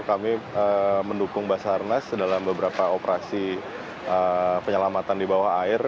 kami mendukung basarnas dalam beberapa operasi penyelamatan di bawah air